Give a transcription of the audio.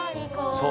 そう。